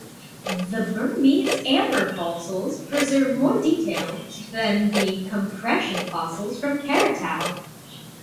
The Burmese amber fossils preserve more detail than the compression fossils from Karatau.